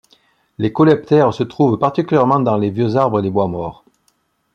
Les coléoptères se trouvent particulièrement dans les vieux arbres et les bois morts.